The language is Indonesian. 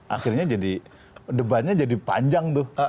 akhirnya jadi debatnya jadi panjang tuh